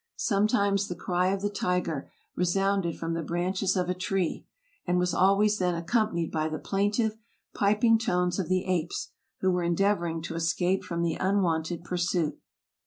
Some times the cry of the tiger resounded from the branches of a tree, and was always then accompanied by the plaintive, pip ing tones of the apes, who were endeavoring to escape from the unwonted pursuit.